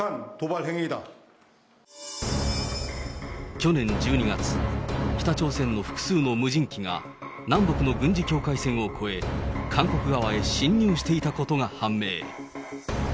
去年１２月、北朝鮮の複数の無人機が南北の軍事境界線を越え、韓国側へ侵入していたことが判明。